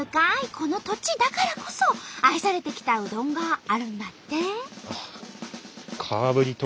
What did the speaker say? この土地だからこそ愛されてきたうどんがあるんだって。